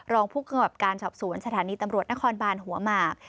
รองผู้กำกับการสอบสวนสถานีตำรวจนครบานหัวหมาก